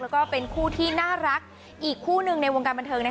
แล้วก็เป็นคู่ที่น่ารักอีกคู่หนึ่งในวงการบันเทิง